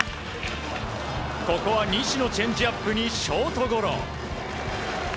ここは西のチェンジアップにショートゴロ。